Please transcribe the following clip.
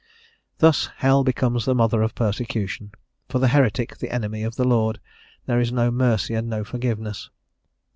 Thus hell, becomes the mother of persecution; for the heretic, the enemy of the Lord, there is no mercy and no forgiveness.